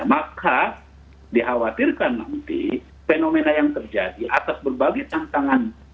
maka dikhawatirkan nanti fenomena yang terjadi atas berbagai tantangan